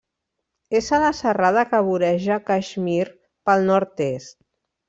És a la serrada que voreja Caixmir pel nord-est.